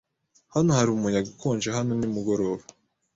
Hano hari umuyaga ukonje hano nimugoroba.